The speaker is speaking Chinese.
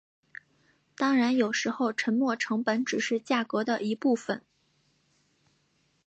当然有时候沉没成本只是价格的一部分。